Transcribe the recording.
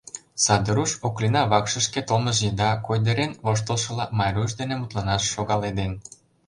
Саде руш Оклина вакшышке толмыж еда, койдарен воштылшыла, Майруш дене мутланаш шогаледен.